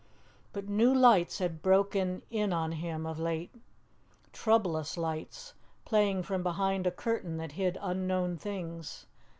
But new lights had broken in on him of late. Troublous lights, playing from behind a curtain that hid unknown things.